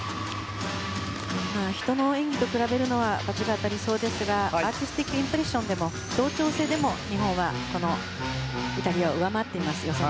人の演技と比べるのは罰が当たりそうですがアーティスティックインプレッションでも同調性でも日本は予選ではイタリアを上回っています。